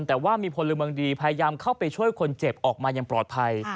แต่ว่ามีพลเมืองดีพยายามเข้าไปช่วยคนเจ็บออกมาอย่างปลอดภัย